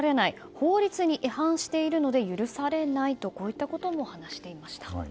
法律に違反しているので許されないとこういったことも話していました。